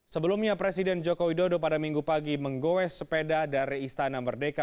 sebelumnya presiden joko widodo pada minggu pagi menggoes sepeda dari istana merdeka